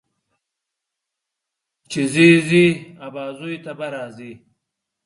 چې ځې، ځې ابازوی ته به راځې.